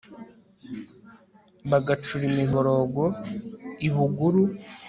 bagacura imiborogo i buguru